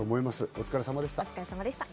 お疲れさまでした。